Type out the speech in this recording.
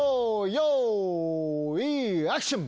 ようぃアクション！